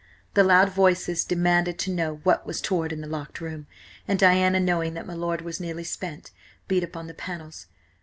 The loud voices demanded to know what was toward in the locked room, and Diana, knowing that my lord was nearly spent, beat upon the panels.